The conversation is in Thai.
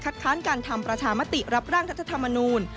ค้านการทำประชามติรับร่างรัฐธรรมนูล